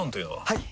はい！